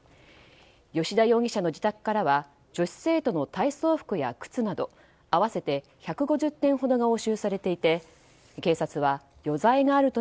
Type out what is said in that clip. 吉田容疑者の自宅からは女子生徒の体操服や靴など合わせて１５０点ほどが故障？